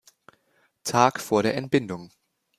Tag vor der Entbindung.